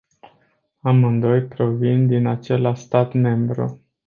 Amândoi provin din același stat membru.